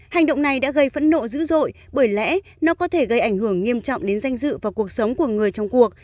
hành động này đã gây phẫn nộ dữ dội bởi lẽ nó có thể gây ảnh hưởng nghiêm trọng đến danh dự và cuộc sống của người trong cuộc